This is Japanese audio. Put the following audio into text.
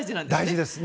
大事です。